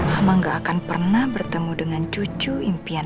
mama gak akan pernah bertemu dengan cucu impian